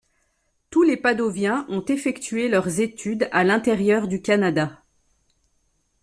Tous les Padoviens ont effectué leurs études à l'intérieur du Canada.